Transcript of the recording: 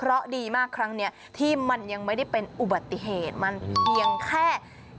เพราะดีมากครั้งนี้ที่มันยังไม่ได้เป็นอุบัติเหตุมันเพียงแค่